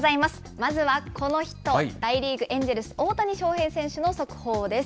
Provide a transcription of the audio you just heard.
まずはこの人、大リーグ・エンジェルス、大谷翔平選手の速報です。